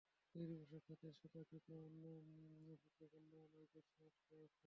তৈরি পোশাক খাতের সুতা কিংবা অন্য ভোগ্যপণ্য আনায় বেশ সমস্যা রয়েছে।